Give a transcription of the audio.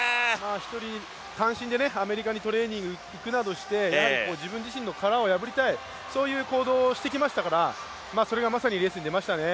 一人、単身でアメリカにトレーニング行くなどしてやはり自分自身の殻を破りたいそういった行動をしてきましたから、それがまさにレースに出ましたね。